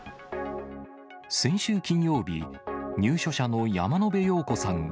先週金曜日、入所者の山野辺陽子さん